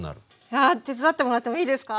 あ手伝ってもらってもいいですか？